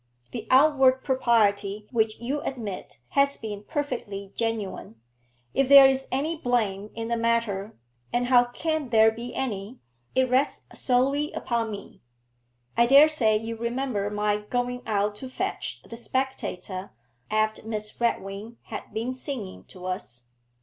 The outward propriety which you admit has been perfectly genuine; if there is any blame in the matter and how can there be any? it rests solely upon me. I dare say you remember my going out to fetch the "Spectator," after Miss Redwing had been singing to us.